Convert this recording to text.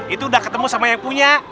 itu udah ketemu sama yang punya